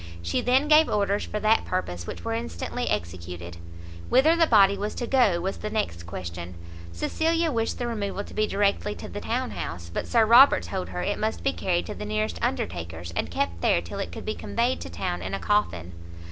She then gave orders for that purpose, which were instantly executed. Whither the body was to go was the next question; Cecilia wished the removal to be directly to the townhouse, but Sir Robert told her it must be carried to the nearest undertaker's, and kept there till it could be conveyed to town in a coffin.